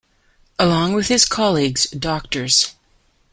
Along with his colleagues Drs.